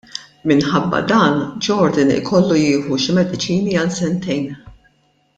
Minħabba dan, Jordan ikollu jieħu xi mediċini għal sentejn.